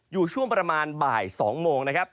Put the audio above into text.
อยู่ช่วงประมาณบ่าย๒โมงนะครับ